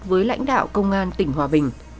với lãnh đạo công an tỉnh hòa bình